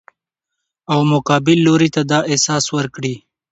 او مقابل لوري ته دا احساس ورکړي